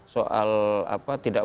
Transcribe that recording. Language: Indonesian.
soal apa tidak